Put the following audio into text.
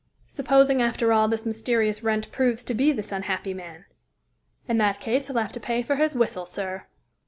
Supposing, after all, this mysterious Wrent proves to be this unhappy man?" "In that case, he'll have to pay for his whistle, sir."